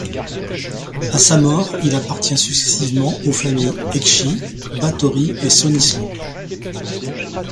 À sa mort, il appartient successivement aux famille Ekchi, Báthory et Sonislo.